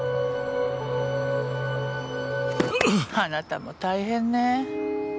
あなたも大変ね。